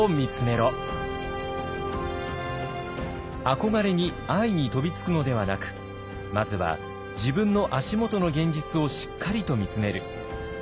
憧れに安易に飛びつくのではなくまずは自分の足元の現実をしっかりと見つめる。